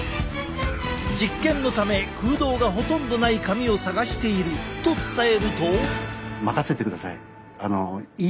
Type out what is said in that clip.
実験のため空洞がほとんどない髪を探していると伝えると。